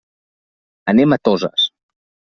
Anem a Toses.